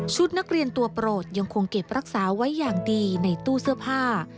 นักเรียนตัวโปรดยังคงเก็บรักษาไว้อย่างดีในตู้เสื้อผ้า